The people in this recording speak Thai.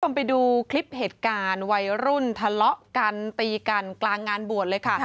ไปดูคลิปเหตุการณ์วัยรุ่นทะเลาะกันตีกันกลางงานบวชเลยค่ะ